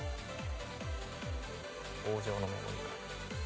棒状のもの。